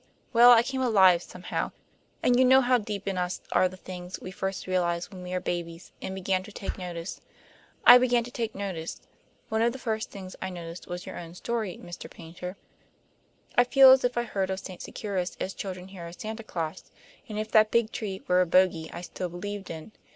Well, I came alive somehow; and you know how deep in us are the things we first realize when we were babies and began to take notice. I began to take notice. One of the first things I noticed was your own story, Mr. Paynter. I feel as if I heard of St. Securis as children hear of Santa Claus, and as if that big tree were a bogey I still believed in.